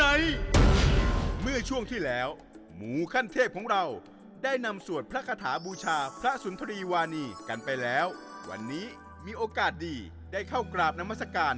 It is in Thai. อันเนี่ยต้องระวังมากครับคนเกิดราศิกรุม